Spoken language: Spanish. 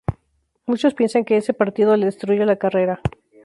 Muchos piensan que ese partido le destruyó la carrera.